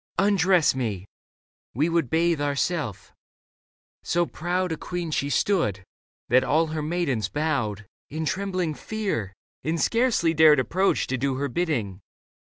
Undress me. We would bathe ourself." So proud A queen she stood, that all her maidens bowed In trembling fear and scarcely dared approach To do her bidding.